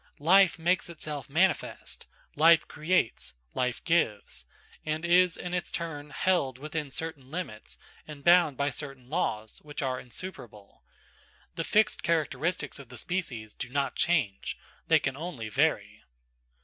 Life makes itself manifest,–life creates, life gives:–and is in its turn held within certain limits and bound by certain laws which are insuperable. The fixed characteristics of the species do not change,– they can only vary.